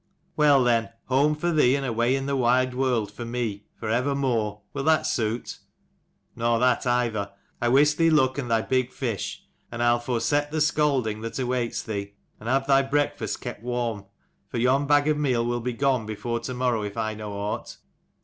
"Well then, home for thee, and away in the wide world for me, for evermore. Will that suit?" "Nor that either. I wish thee luck, and thy big fish: and I'll foreset the scolding that 85 awaits thee : and have thy breakfast kept warm : for yon bag of meal will be gone before to morrow, if I know aught."